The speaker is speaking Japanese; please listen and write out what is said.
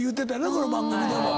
この番組でも。